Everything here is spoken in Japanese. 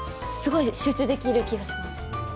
すごい集中できる気がします。